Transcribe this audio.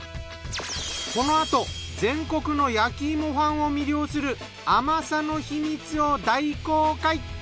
このあと全国の焼き芋ファンを魅了する甘さの秘密を大公開。